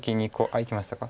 空いてましたか？